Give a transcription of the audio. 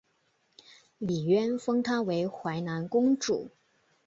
李渊封她为淮南公主。